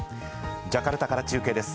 ジャカルタから中継です。